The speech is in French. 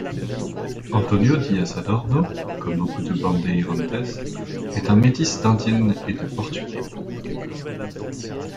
Antônio Dias Adorno, comme beaucoup de bandeirantes est un métis d’Indienne et de Portugais.